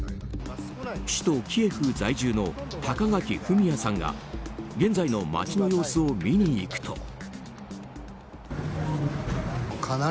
首都キエフ在住の高垣典哉さんが現在の街の様子を見に行くと。